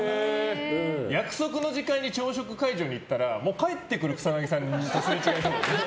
約束の時間に朝食会場に行ったら帰ってくる草さんと擦れ違いそう。